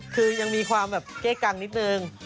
คือยังมีความแบบเก้กังนิดนึง